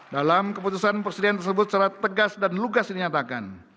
dalam keputusan presiden tersebut secara tegas dan lugas dinyatakan